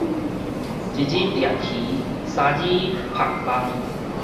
一日掠魚，三日曝網